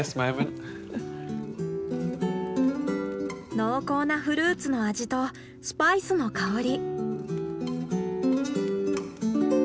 濃厚なフルーツの味とスパイスの香り。